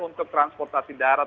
untuk transportasi darat